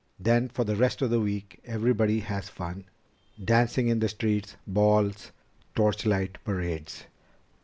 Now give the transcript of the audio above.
Then, for the rest of the week, everybody has fun dancing in the streets, balls, torchlight parades.